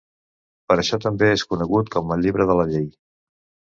Per això també és conegut com el Llibre de la Llei.